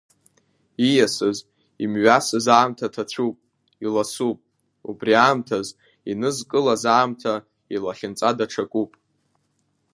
Ииасыз, имҩасыз аамҭа ҭацәуп, иласуп, убри аамҭаз, инызкылаз аамҭа илахьынҵа даҽакуп…